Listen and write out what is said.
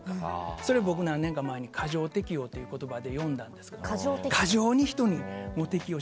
それは僕は何年か前に過剰適応という言葉で呼んだんですけど過剰に人に適応する。